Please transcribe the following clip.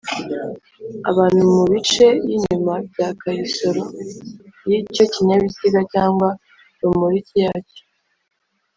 Abantu Mu Bice Y Inyuma Bya Karisoro Y Icyo Kinyabiziga Cyangwa Ya Romoruki Yacyo